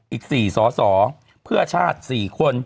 อีก๔สอสอเพื่อชาติ๔คน